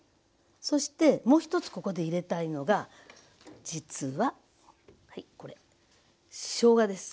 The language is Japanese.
そしてもう一つここで入れたいのが実ははいこれしょうがです。